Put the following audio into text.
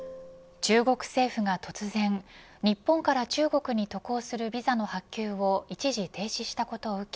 中国政府が突然日本から中国に渡航するビザの発給を一時停止したことを受け